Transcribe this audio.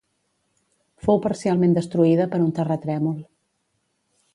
Fou parcialment destruïda per un terratrèmol.